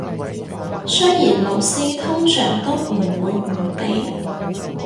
雖然老師通常都唔會唔俾